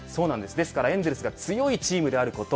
エンゼルスが強いチームであること。